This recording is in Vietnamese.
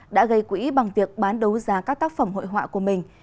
đã gây quỹ bằng việc bán đấu giá các tác phẩm hội họa của mình